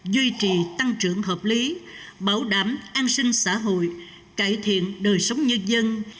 duy trì tăng trưởng hợp lý bảo đảm an sinh xã hội cải thiện đời sống nhân dân